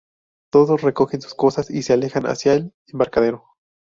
Todos recogen sus cosas y se alejan hacia el embarcadero.